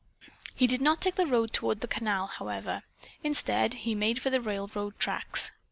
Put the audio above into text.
He did not take the road toward the canal, however. Instead he made for the railroad tracks.